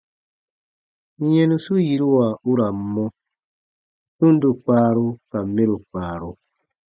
Yɛnusu yiruwa u ra n mɔ : tundo kpaaru ka mɛro kpaaru.